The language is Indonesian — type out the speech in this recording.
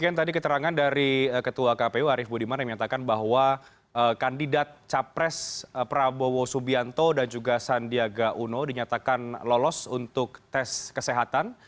assalamu'alaikum warahmatullahi wabarakatuh